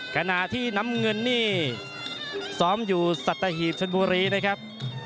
ขณะที่น้ำเงินนี่ซ้อมอยู่สัตหีบชนบุรีนะครับ